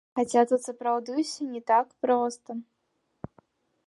Хаця тут сапраўды ўсё не так проста.